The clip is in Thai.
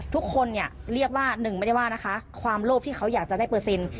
ทุกคนเนี่ยเรียกว่าหนึ่งไม่ได้ว่านะคะความโลภที่เขาอยากจะได้เปอร์เซ็นต์